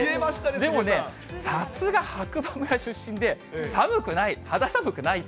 でもね、さすが白馬村出身で、寒くない、肌寒くないって。